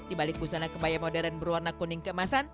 di balik pusana kebaya modern berwarna kuning kemasan